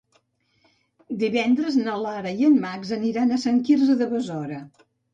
Divendres na Lara i en Max aniran a Sant Quirze de Besora.